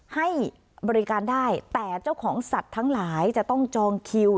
ให้บริการได้แต่เจ้าของสัตว์ทั้งหลายจะต้องจองคิว